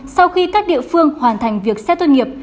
sau khi các địa phương hoàn thành việc xét tuân nghiệp